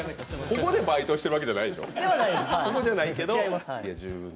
ここでバイトしてるわけじゃないでしょ？じゃないけど。